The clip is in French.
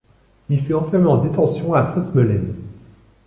Il fut enfermé en détention à Sainte Melaine.